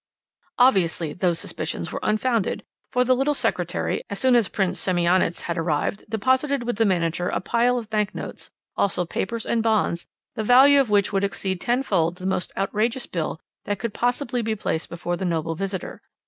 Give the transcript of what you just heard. "Obviously those suspicions were unfounded, for the little secretary, as soon as Prince Semionicz had arrived, deposited with the manager a pile of bank notes, also papers and bonds, the value of which would exceed tenfold the most outrageous bill that could possibly be placed before the noble visitor.